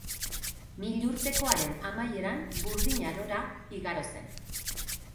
Milurtekoaren amaieran Burdin Arora igaro zen.